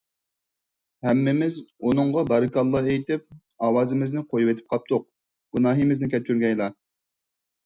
ھەممىمىز ئۇنىڭغا بارىكاللاھ ئېيتىپ، ئاۋازىمىزنى قويۇۋېتىپ قاپتۇق. گۇناھىمىزنى كەچۈرگەيلا!